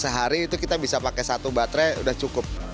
sehari itu kita bisa pakai satu baterai udah cukup